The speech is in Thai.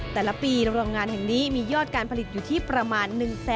แต่ละปีโรงงานแห่งนี้มียอดการผลิตอยู่ที่ประมาณ